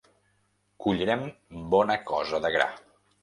Collirem bona cosa de gra.